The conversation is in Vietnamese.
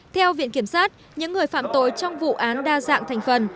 theo viện kiểm sát những người phạm tội trong vụ án đa dạng thành phần